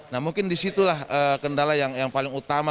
nah mungkin disitulah kendala yang paling utama